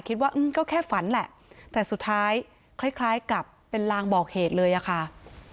คิดว่าก็แค่ฝันแหละแต่สุดท้ายคล้ายกับเป็นลางบอกเหตุเลยอะค่ะ